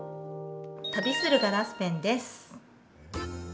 旅するガラスペンです。